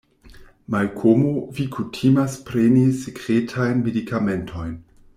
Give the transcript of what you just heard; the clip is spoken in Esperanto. Malkomo, vi kutimas preni sekretajn medikamentojn.